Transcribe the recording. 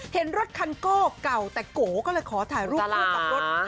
เห็นรถคันโก้เก่าแต่โกก็เลยขอถ่ายรูปคู่กับรถ